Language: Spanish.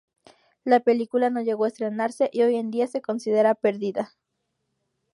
La película no llegó a estrenarse, y hoy en día se considera perdida.